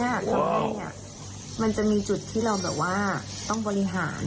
ตรงนี้มันจะมีจุดที่เราแบบว่าต้องบริหาร